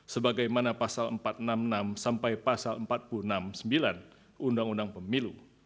sebagaimana pasal empat ratus enam puluh enam sampai pasal empat puluh enam sembilan undang undang pemilu